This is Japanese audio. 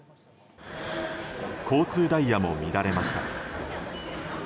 交通ダイヤも乱れました。